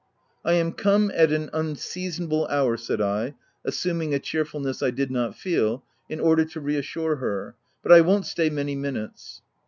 " I am come at an unseasonable hour," said I, assuming a cheerfulness I did not feel, in order to reassure her ;" but I won't stay many minutes."